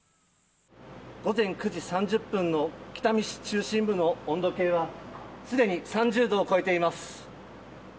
午前９時３０分の北見市中心部の温度計はすでに３０度を超えています。